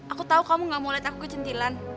aku tau kamu gak mau liat aku kecintilan